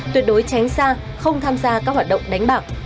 tuyệt đối tránh xa không tham gia các hoạt động đánh bạc